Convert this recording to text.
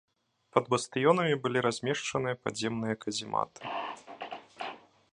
Пад бастыёнамі былі размешчаныя падземныя казематы.